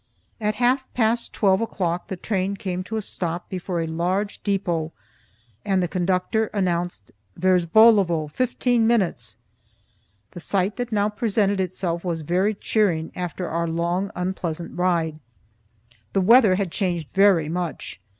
At half past twelve o'clock the train came to a stop before a large depot, and the conductor announced "Verzbolovo, fifteen minutes!" The sight that now presented itself was very cheering after our long, unpleasant ride. The weather had changed very much.